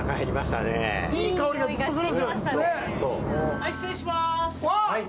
はい、失礼しまーす。